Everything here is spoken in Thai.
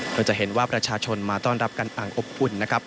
เราจะเห็นว่าประชาชนมาต้อนรับกันต่างอบอุ่นนะครับ